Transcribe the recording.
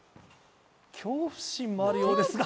恐怖心もあるようですが。